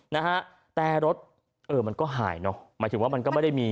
นะฮะแต่รถเออมันก็หายเนอะหมายถึงว่ามันก็ไม่ได้มี